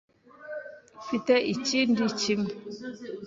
Mfite ikindi kimwe.